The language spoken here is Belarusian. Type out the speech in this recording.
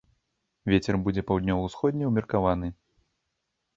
Вецер будзе паўднёва-ўсходні, умеркаваны.